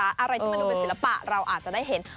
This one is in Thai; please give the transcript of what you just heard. อะไรที่มันดูเป็นศิลปะเราอาจจะได้เห็น